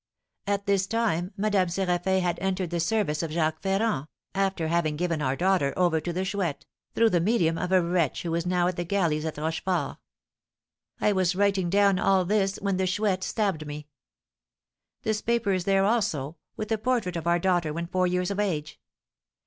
At this time Madame Séraphin had entered the service of Jacques Ferrand, after having given our daughter over to the Chouette, through the medium of a wretch who is now at the galleys at Rochefort. I was writing down all this when the Chouette stabbed me. This paper is there also, with a portrait of our daughter when four years of age.